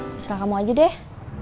seserah kamu aja deh